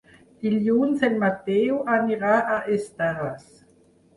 Dilluns en Mateu anirà a Estaràs.